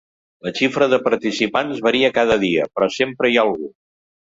La xifra de participants varia cada dia, però sempre hi ha algú.